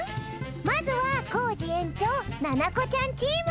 まずはコージ園長ななこちゃんチーム。